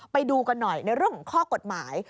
ไปดูกันหน่อยในเรื่องของข้อกฎหมาย